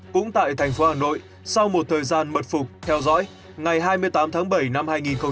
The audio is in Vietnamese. cũng tại thành phố hà nội sau một thời gian mật phục theo dõi ngày hai mươi tám tháng bảy năm hai nghìn hai mươi